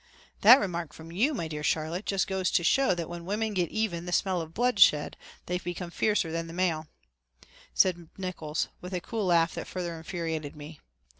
"That remark from you, my dear Charlotte, just goes to show that when women get even the smell of bloodshed they become fiercer than the male," said Nickols with a cool laugh that further infuriated me.